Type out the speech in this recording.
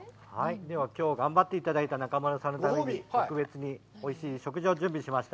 ではきょう頑張っていただいた中丸さんのために、特別においしい食事を準備しました。